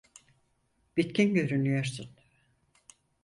Bitkin görünüyorsun.